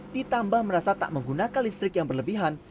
ditambah merasa tak menggunakan listrik yang berlebihan